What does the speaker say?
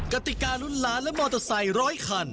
กติการุ่นล้านและมอเตอร์ไซค์ร้อยคัน